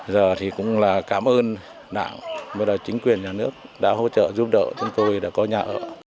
giờ thì cũng là cảm ơn đảng bây giờ chính quyền nhà nước đã hỗ trợ giúp đỡ chúng tôi để có nhà ở